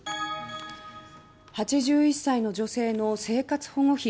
８１歳の女性の生活保護費